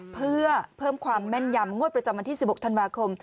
เพื่อเพิ่มความแม่นยำงวดประจำวันที่๑๖ธันวาคม